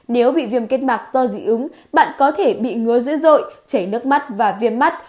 nếu bị viêm kết mạc do dị ứng bạn có thể bị ngứa dữ dội chảy nước mắt và viêm mắt